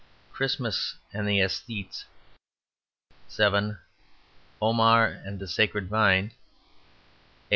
Christmas and the Esthetes 7. Omar and the Sacred Vine 8.